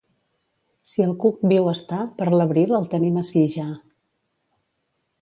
Si el cuc viu està, per l'abril el tenim ací ja.